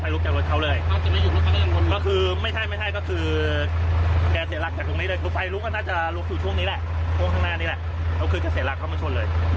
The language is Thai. ลูกก้านน่าจะลูกอยู่ช่วงนี้แหละกางหน้านี้แหละก็ก็เสียหลักเข้ามาชนเลย